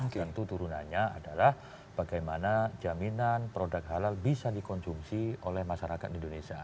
dan itu turunannya adalah bagaimana jaminan produk halal bisa dikonsumsi oleh masyarakat di indonesia